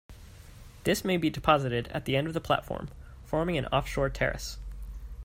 This may be deposited at the end of the platform, forming an off-shore terrace.